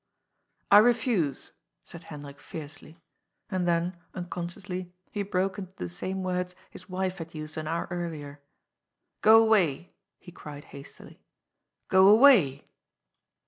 "I refuse," said Hendrik fiercely. And then, uncon sciously, he broke into the same words his wife had used an hour earlier. " Go away I " he cried hastily. " Go away